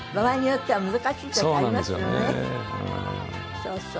そうそう。